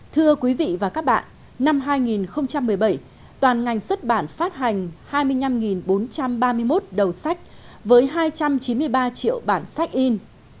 thưa quý vị và các bạn năm hai nghìn một mươi bảy toàn ngành xuất bản phát hành hai mươi năm bốn trăm ba mươi một đầu sách với hai trăm chín mươi ba triệu bản sách in